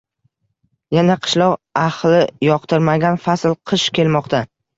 Yana qishloq axli yoqtirmagan fasl qish kelmoqda..